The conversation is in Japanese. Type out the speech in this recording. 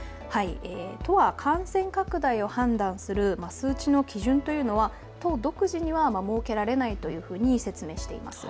都は感染拡大を判断する数値の基準は都独自には設けられないと説明しています。